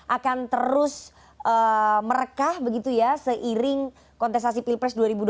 akan terus merekah begitu ya seiring kontestasi pilpres dua ribu dua puluh